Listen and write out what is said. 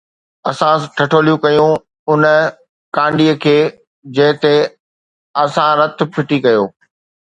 اسان ٺٺوليون ڪيون اُن ڪانڊي کي، جنهن تي اسان رت ڦٽي ڪيو